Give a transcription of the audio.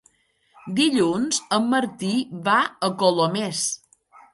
Dilluns en Martí va a Colomers.